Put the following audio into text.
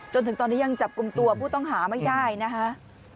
จนถึงตอนนี้ยังจับกลุ่มตัวผู้ต้องหาไม่ได้นะคะ